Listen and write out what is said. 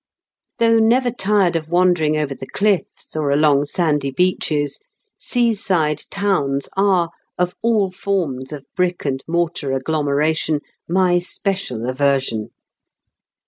Though never tired of wandering over the chfFs, or along sandy beaches, seaside towns are, of all forms of brick and mortar agglome ration, my special aversion.